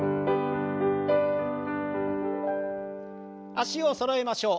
脚をそろえましょう。